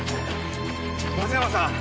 松山さん